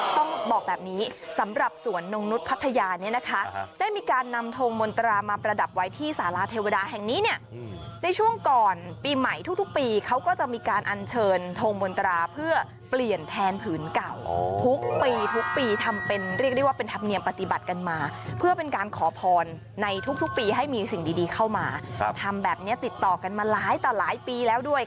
ต้องบอกแบบนี้สำหรับสวนนงนุฏพัทยาเนี่ยนะคะได้มีการนำโทงมนตรามาประดับไว้ที่สาลาเทวดาแห่งนี้เนี่ยในช่วงก่อนปีใหม่ทุกปีเขาก็จะมีการอันเชิญโทงมนตราเพื่อเปลี่ยนแทนผืนเก่าทุกปีทุกปีทำเป็นเรียกได้